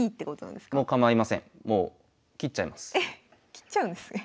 切っちゃうんですね。